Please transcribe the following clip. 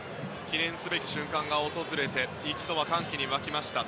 記念すべき瞬間が訪れて一度は歓喜に沸きました。